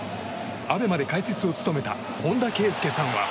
ＡＢＥＭＡで解説を務めた本田圭佑さんは。